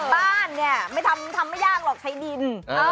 บ้านเนี่ยไม่ทำไม่ยากหรอกใช้ดิน